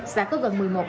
và cửa khẩu quốc tế samad